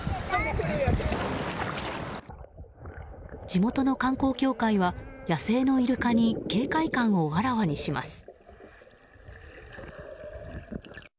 地元の観光協会は野生のイルカに警戒感をあらわにします。